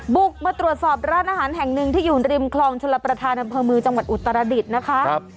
บุกมาตรวจสอบร้านอาหารแห่งหนึ่งที่อยู่ริมคลองชลประธานอำเภอเมืองจังหวัดอุตรดิษฐ์นะคะ